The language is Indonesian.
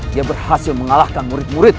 dia berhasil mengalahkan murid murid